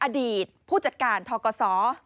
อดีตผู้จัดการทกศ